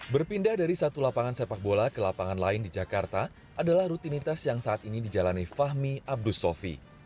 berpindah dari satu lapangan sepak bola ke lapangan lain di jakarta adalah rutinitas yang saat ini dijalani fahmi abdus sofi